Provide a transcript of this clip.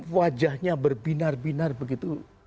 wajahnya berbinar binar begitu